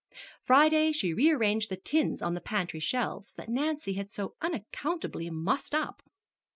Friday she rearranged the tins on the pantry shelves, that Nancy had so unaccountably mussed up.